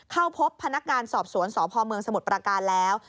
เข้าพบพนักงานสอบสวนสพเมืองสมุทรประการแล้ว